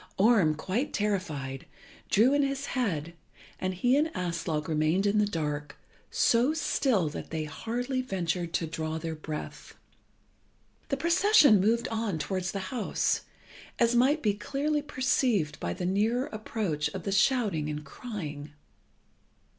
Orm, quite terrified, drew in his head, and he and Aslog remained in the dark, so still that they hardly ventured to draw their breath. The procession moved on towards the house, as might be clearly perceived by the nearer approach of the shouting and crying.